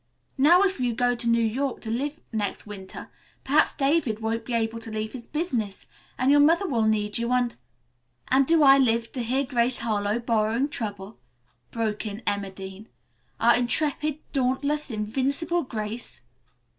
Now if you go to New York to live next winter perhaps David won't be able to leave his business, and your mother will need you and " "And do I live to hear Grace Harlowe borrowing trouble?" broke in Emma Dean. "Our intrepid, dauntless, invincible Grace!"